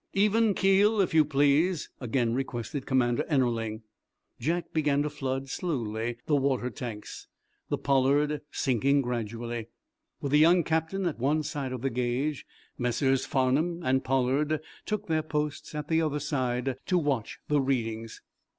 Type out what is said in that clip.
"Even keel, if you please," again requested Commander Ennerling. Jack began to flood, slowly, the water tanks, the "Pollard" sinking gradually. With the young captain at one side of the gauge, Messrs. Farnum and Pollard took their posts at the other side, to watch the readings.